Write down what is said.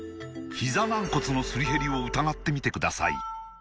ひざ軟骨のすり減りを疑ってみてください